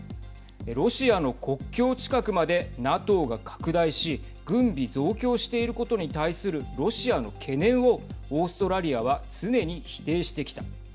ロシアの国境近くまでＮＡＴＯが拡大し軍備増強していることに対するロシアの懸念をオーストラリアは常に否定してきた。